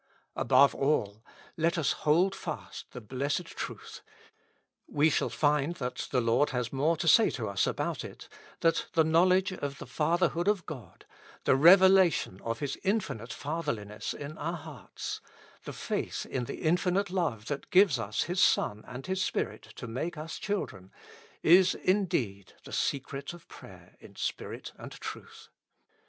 Above all, let us hold fast the blessed truth — we shall find that the Lord has more to say to us about it — that the knowledge of the Fatherhood of God, the revelation of His infinite Fatherliness in our hearts, the faith in the infinite love that gives us His Son and His Spirit to make us children, is indeed the secret of prayer in spirit and truth.